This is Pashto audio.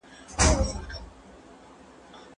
ايا حضوري زده کړه د عملي مهارتونو پراختيا اسانه کوي؟